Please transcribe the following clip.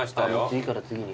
次から次に。